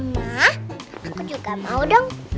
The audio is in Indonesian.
mah aku juga mau dong